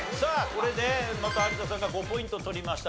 これでまた有田さんが５ポイント取りました。